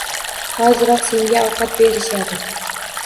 Hoziroq senga ovqat berishadi